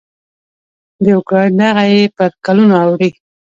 د اوکراین دغه یې پر کلونو اوړي.